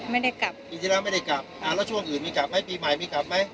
ไม่ได้กลับปีที่แล้วไม่ได้กลับอ่าแล้วช่วงอื่นมีกลับไหมปีใหม่มีกลับไหม